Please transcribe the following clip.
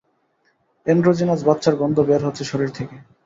Androgynous বাচ্চার গন্ধ বের হচ্ছে শরীর থেকে।